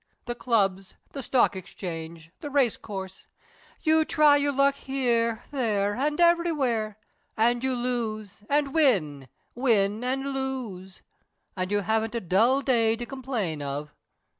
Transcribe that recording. The clubs, the stock exchange, the race course: you try your luck here, there, and everywhere; and you lose and win, win and lose and you haven't a dull day to complain of."